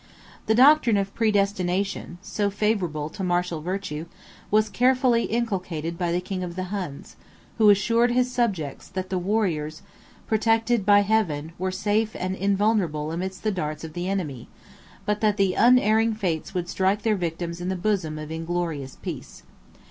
The doctrine of predestination, so favorable to martial virtue, was carefully inculcated by the king of the Huns; who assured his subjects, that the warriors, protected by Heaven, were safe and invulnerable amidst the darts of the enemy; but that the unerring Fates would strike their victims in the bosom of inglorious peace.